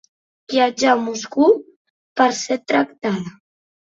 Viatja a Moscou per ser tractada.